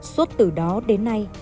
suốt từ đó đến nay